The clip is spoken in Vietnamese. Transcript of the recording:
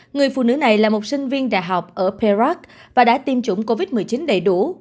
người phụ nữ này là một sinh viên đại học ở perat và đã tiêm chủng covid một mươi chín đầy đủ